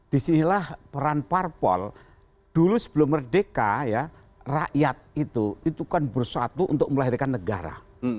disinilah peran parpol dulu sebelum merdeka ya rakyat itu itu kan bersatu untuk melahirkan negara